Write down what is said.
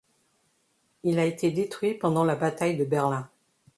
Il a été détruit pendant la bataille de Berlin.